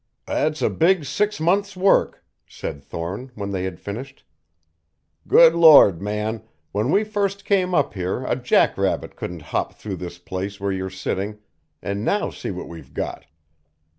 "That's a big six months' work," said Thorne when they had finished. "Good Lord, man, when we first came up here a jack rabbit couldn't hop through this place where you're sitting, and now see what we've got!